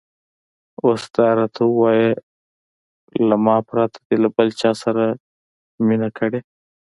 اوس دا راته ووایه، له ما پرته دې له بل چا سره مینه کړې؟